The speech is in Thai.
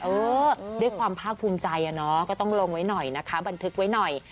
เออด้วยความภาคภูมิใจอะเนาะก็ต้องลงไว้หน่อยนะคะบันทึกไว้หน่อย